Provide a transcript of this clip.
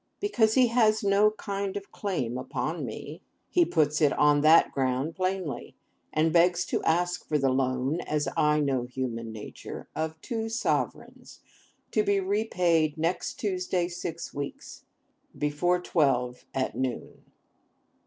Because he has no kind of claim upon me. He puts it on that ground plainly; and begs to ask for the loan (as I know human nature) of two sovereigns, to be repaid next Tuesday six weeks, before twelve at noon.